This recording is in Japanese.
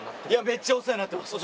めっちゃお世話になってます。